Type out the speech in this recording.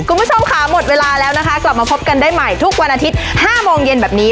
คุณผู้ชมค่ะหมดเวลาแล้วนะคะกลับมาพบกันได้ใหม่ทุกวันอาทิตย์๕โมงเย็นแบบนี้